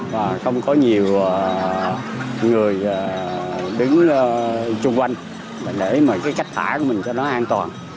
và không có nhiều người đứng chung quanh để mà cái cách thả của mình cho nó an toàn